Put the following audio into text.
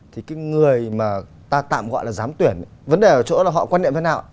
thì cái người mà ta tạm gọi là giám tuyển vấn đề ở chỗ là họ quan niệm thế nào